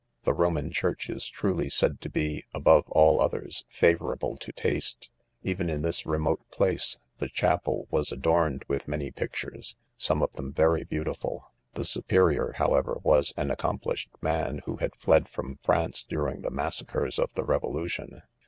The Roman church is truly said to be., above all others,, favourable to taste. Even in this remote place, the cha pel, was adorned with many pictures, some of them very beautiful. The superior, however., was an accomplished man, who had fled from France during the massacres of the revolution.